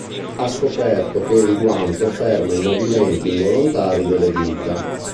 Ha scoperto che il guanto ferma i movimenti involontari delle dita.